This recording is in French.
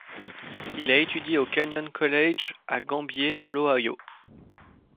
Il a étudié au Kenyon College à Gambier dans l'Ohio.